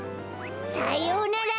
さようなら！